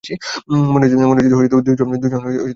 মনে হচ্ছে দুজন জমিয়ে মজা করেছো।